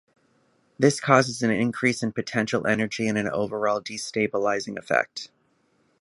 This causes an increase in potential energy and an overall destabilizing effect.